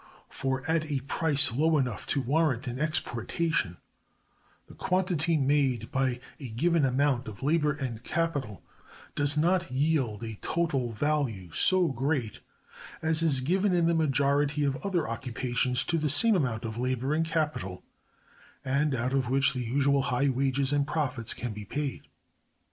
For, at a price low enough to warrant an exportation, the quantity made by a given amount of labor and capital does not yield a total value so great as is given in the majority of other occupations to the same amount of labor and capital, and out of which the usual high wages and profits can be paid.